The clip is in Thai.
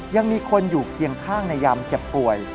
ยังมีคนอยู่เคียงข้างในยามเจ็บป่วย